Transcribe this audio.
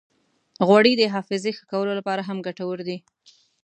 غوړې د حافظې ښه کولو لپاره هم ګټورې دي.